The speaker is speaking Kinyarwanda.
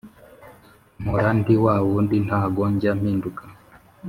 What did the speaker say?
Mpora ndi wa wundi ntago njya mpinduka